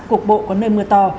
cục bộ có nơi mưa to